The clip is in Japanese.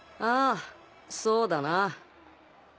ああそうだな。